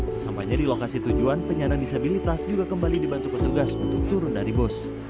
sesampainya di lokasi tujuan penyandang disabilitas juga kembali dibantu petugas untuk turun dari bus